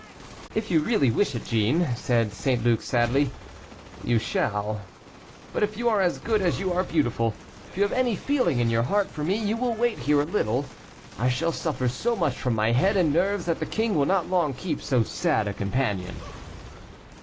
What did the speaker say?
"If you really wish it, Jeanne," said St. Luc, sadly, "you shall. But if you are as good as you are beautiful, if you have any feeling in your heart for me, you will wait here a little. I shall suffer so much from my head and nerves that the king will not long keep so sad a companion."